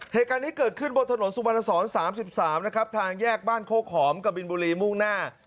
เหตุการณ์นี้เกิดขึ้นบนถนนสุวรรณสอน๓๓นะครับทางแยกบ้านโคกหอมกะบินบุรีมุ่งหน้า